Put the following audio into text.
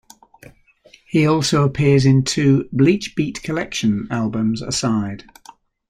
He also appears in two "Bleach Beat Collection" albums aside.